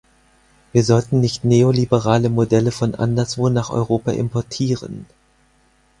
Wir sollten nicht neoliberale Modelle von anderswo nach Europa importieren.